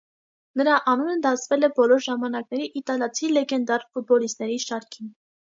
Նրա անունը դասվել է բոլոր ժամանակների իտալացի լեգենդար ֆուտբոլիստների շարքին։